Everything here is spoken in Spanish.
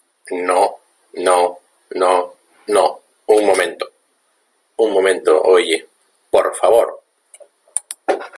¡ No, no , no , no , un momento! Un momento. oye .¡ por favor !